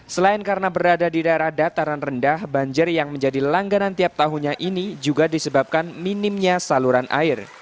selain karena berada di daerah dataran rendah banjir yang menjadi langganan tiap tahunnya ini juga disebabkan minimnya saluran air